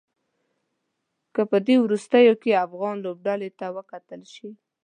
که په دې وروستيو کې افغان لوبډلې ته وکتل شي.